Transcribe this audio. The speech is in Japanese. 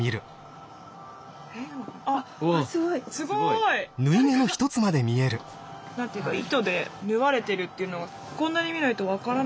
あすごい！なんていうか糸でぬわれてるっていうのがこんなに見ないとわからない。